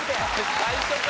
最初か。